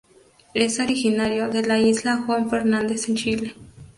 Es originario de la isla Juan Fernandez en Chile.